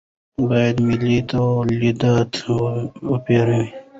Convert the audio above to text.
باید ملي تولیدات وپېرو.